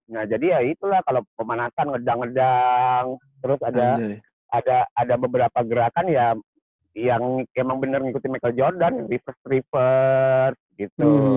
nah jadi ya itulah kalau pemanasan ngedang ngedang terus ada beberapa gerakan ya yang emang bener ngikuti michael jordan reverse refers gitu